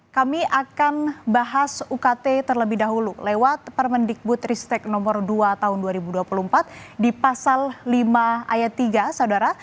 kami akan bahas ukt terlebih dahulu lewat permendikbud ristek nomor dua tahun dua ribu dua puluh empat di pasal lima ayat tiga saudara